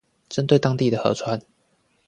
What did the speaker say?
針對當地的河川